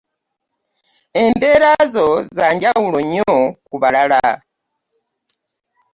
Embeera zo za njawulo nnyo ku balala.